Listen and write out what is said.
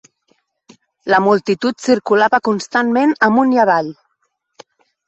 La multitud circulava constantment amunt i avall